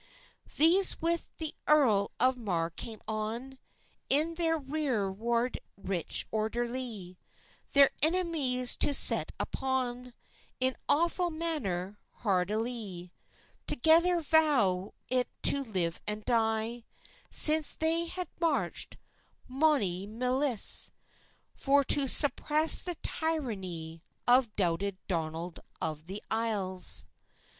These with the Earle of Marr came on, In the reir ward richt orderlie, Thair enemies to sett upon; In awfull manner hardilie, Togither vowit to live and die, Since they had marchit mony mylis, For to suppress the tyrannie Of douted Donald of the Ysles.